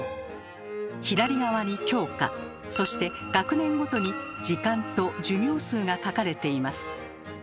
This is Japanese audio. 左側に教科そして学年ごとに時間と授業数が書かれています。